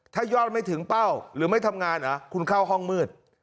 ถ้ายอดไม่ถึงเป้าหรือไม่ทำงานเหรอคุณเข้าห้องมืด